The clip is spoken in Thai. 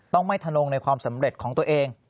ต้องไม่ถนงในความสำเร็จของตัวเอง